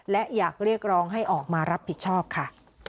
และอยากเรียกร้องให้ออกมารับผิดชอบค่ะ